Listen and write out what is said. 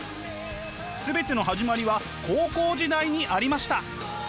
全ての始まりは高校時代にありました！